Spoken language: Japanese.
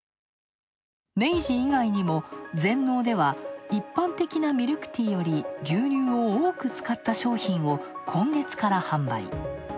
明治以外にも、全農では一般的なミルクティーより牛乳を多く使った商品を今月から販売。